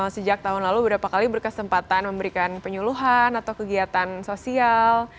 sejak tahun lalu berapa kali berkesempatan memberikan penyuluhan atau kegiatan sosial